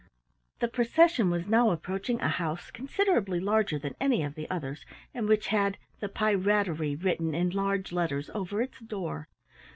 The procession was now approaching a house considerably larger than any of the others and which had "The Pirattery" written in large letters over its door.